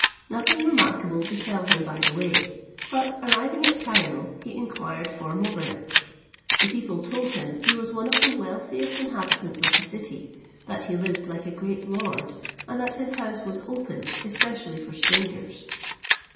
Nothing remarkable befell him by the way, but arriving at Cairo, he inquired for Mobarec. The people told him he was one of the wealthiest inhabitants of the city; that he lived like a great lord, and that his house was open, especially for strangers.